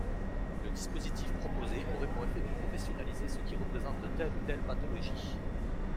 Le dispositif proposé aurait pour effet de professionnaliser ceux qui représentent telle ou telle pathologie.